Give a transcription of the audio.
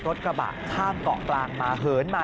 รถกระบะข้ามเกาะกลางมาเหินมา